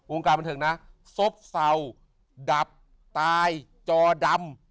การบันเทิงนะซบเศร้าดับตายจอดำ